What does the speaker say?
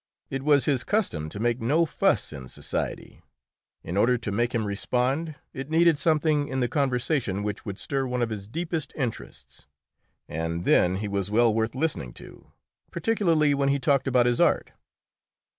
It was his custom to make no fuss in society; in order to make him respond, it needed something in the conversation which would stir one of his deepest interests, and then he was well worth listening to, particularly when he talked about his art.